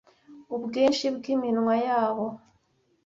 ubwinshi bw'iminwa yabo